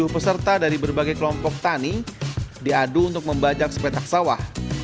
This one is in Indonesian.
lima puluh tujuh peserta dari berbagai kelompok tani diadu untuk membajak sepetak sawah